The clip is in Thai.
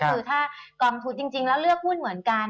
คือถ้ากองทุนจริงแล้วเลือกหุ้นเหมือนกัน